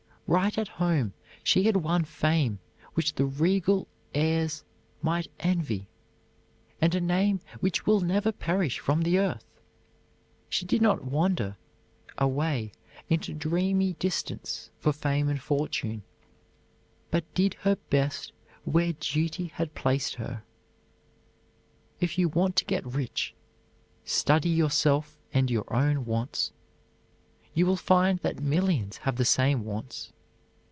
Right at home she had won fame which the regal heirs might envy, and a name which will never perish from the earth. She did not wander away into dreamy distance for fame and fortune, but did her best where duty had placed her. If you want to get rich, study yourself and your own wants. You will find that millions have the same wants.